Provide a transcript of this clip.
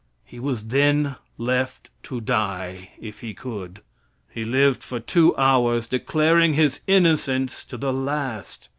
He was then left to die if he could. He lived for two hours, declaring his innocence to the last.